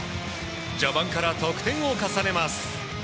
序盤から得点を重ねます。